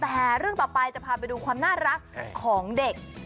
แต่เรื่องต่อไปจะพาไปดูความน่ารักของเด็ก